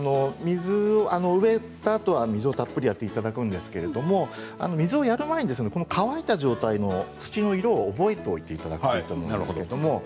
植えたあと、水をたっぷりやっていただくんですが水をやる前に乾いた状態の土の色を覚えておいてください。